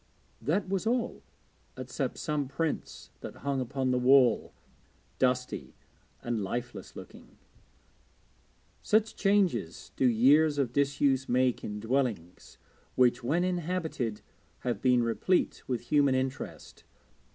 That was all, except some prints that hung upon the wall, dusty and lifeless looking. Such changes do years of disuse make in dwellings which, when inhabited, have been replete with human interest.